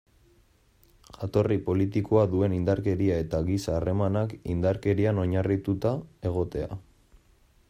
Jatorri politikoa duen indarkeria eta giza harremanak indarkerian oinarrituta egotea.